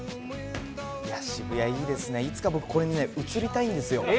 渋谷いいですね、いつか僕、これに映りたいんですよ。